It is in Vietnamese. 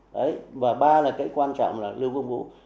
đấy và ba là cái quan trọng là lưu quang vũ